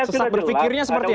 sesat berpikirnya seperti apa